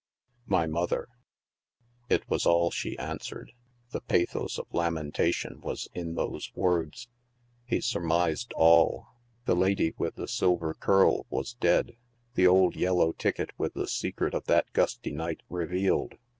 l My mother 5" it was all she answered ; the pathos ol lamentation was in those words. Be sur mised ail ; the lady with the silver curl was dead — the old yellow ticket with the secret of that gusty night revealed.